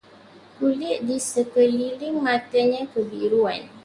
Kulit di sekeliling matanya kebiruan